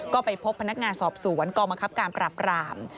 ก็ไปพบพนักงานสอบสวนกองบังคับการปราบราม